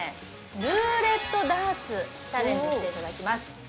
ルーレットダーツチャレンジしていただきます